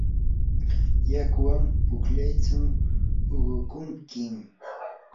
yakuwan pukllaytsu uqukunkim.